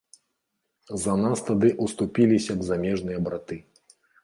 За нас тады ўступіліся б замежныя браты.